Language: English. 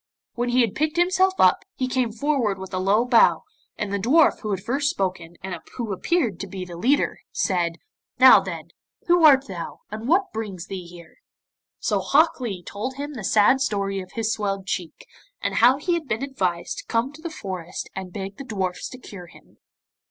When he had picked himself up, he came forward with a low bow, and the dwarf who had first spoken and who appeared to be the leader, said, 'Now, then, who art thou, and what brings thee here?' So Hok Lee told him the sad story of his swelled cheek, and how he had been advised to come to the forest and beg the dwarfs to cure him.